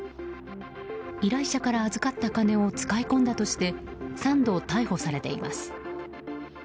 依頼者から預かった金を使い込んだとして３度、逮捕されています。